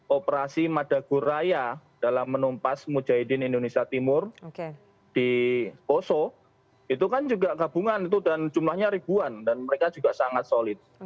operasi madagoraya dalam menumpas mujahidin indonesia timur di poso itu kan juga gabungan itu dan jumlahnya ribuan dan mereka juga sangat solid